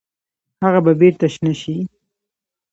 هغه به بیرته شنه شي؟